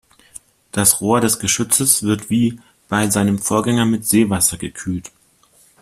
Das Rohr des Geschützes wird wie bei seinem Vorgänger mit Seewasser gekühlt.